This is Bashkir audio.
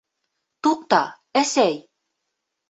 Туҡта, әсәй.